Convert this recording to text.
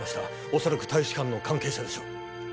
恐らく大使館の関係者でしょう